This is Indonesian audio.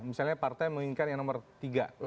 misalnya partai menginginkan yang nomor tiga